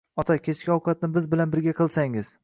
Ota, kechki ovqatni biz bilan birga qilsangiz